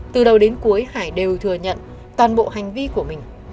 từ đầu đến cuối hải đều thừa nhận toàn bộ hành vi của mình